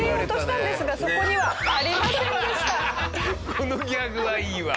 このギャグはいいわ！